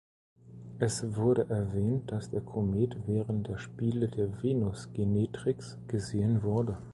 Es wurde erwähnt, dass der Komet "während der Spiele der Venus Genetrix" gesehen wurde.